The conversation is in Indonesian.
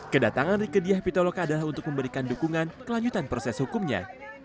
kedatangan rike diah pitoloka adalah untuk memberikan dukungan kelanjutan proses hukumnya